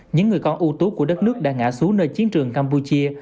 những người con ưu tú của đất nước đã ngã xuống nơi chiến trường campuchia